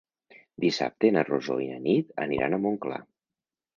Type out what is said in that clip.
Dissabte na Rosó i na Nit aniran a Montclar.